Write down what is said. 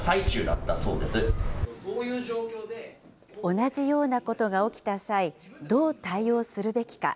同じようなことが起きた際、どう対応するべきか。